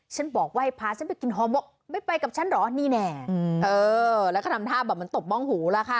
บอกว่าให้พาฉันไปกินฮอหมกไม่ไปกับฉันเหรอนี่แน่เออแล้วก็ทำท่าแบบเหมือนตบม่องหูล่ะค่ะ